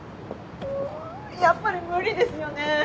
んやっぱり無理ですよね。